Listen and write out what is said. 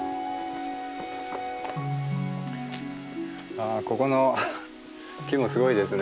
ああここの木もすごいですね。